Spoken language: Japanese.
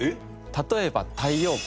例えば太陽光。